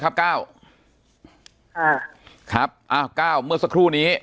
ปากกับภาคภูมิ